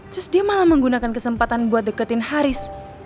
terus dia malah menggunakan kesempatan buat deketin haris